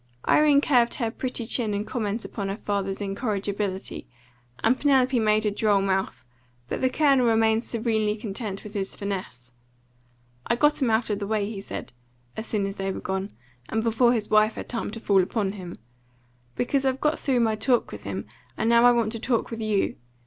Irene curved her pretty chin in comment upon her father's incorrigibility, and Penelope made a droll mouth, but the Colonel remained serenely content with his finesse. "I got 'em out of the way," he said, as soon as they were gone, and before his wife had time to fall upon him, "because I've got through my talk with him, and now I want to talk with YOU.